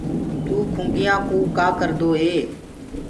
تو کنُگيآ ڪوُ ڪآ ڪردو هي۔